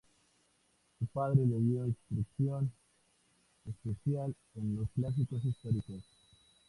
Su padre le dio instrucción especial en los clásicos históricos.